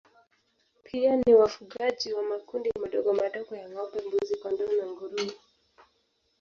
Pia ni wafugaji wa makundi madogomadogo ya ngombe mbuzi kondoo na nguruwe